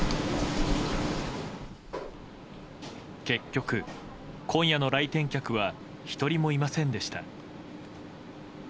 結局、今夜の来店客は１人もいませんでした。